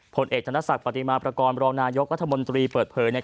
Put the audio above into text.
ผลเอกธนศักดิ์ปฏิมาประกอบรองนายกรัฐมนตรีเปิดเผย